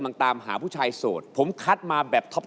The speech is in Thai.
เพราะว่ารายการหาคู่ของเราเป็นรายการแรกนะครับ